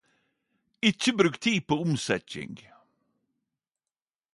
Ikkje bruk tid på omsetjing!